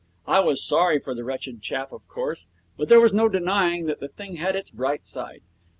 I was sorry for the wretched chap, of course, but there was no denying that the thing had its bright side.